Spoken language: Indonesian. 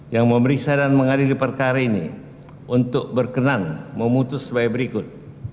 yang memeriksa dan mengadili perkara ini untuk berkenan memutus sebagai berikut